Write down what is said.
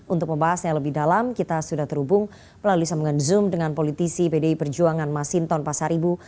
untuk membahasnya lebih dalam kita sudah terhubung melalui sambungan zoom dengan politisi pdi perjuangan masinton pasaribu